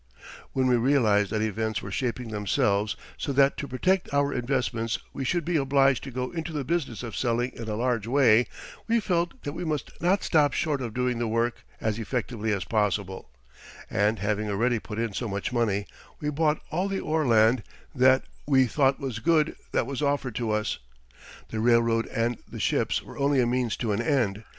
When we realized that events were shaping themselves so that to protect our investments we should be obliged to go into the business of selling in a large way, we felt that we must not stop short of doing the work as effectively as possible; and having already put in so much money, we bought all the ore land that we thought was good that was offered to us. The railroad and the ships were only a means to an end.